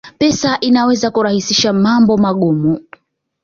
Pesa inaweza kurahisisha mambo magumu